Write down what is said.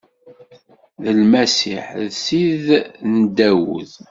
D Lmasiḥ, d Ssid n Dawed.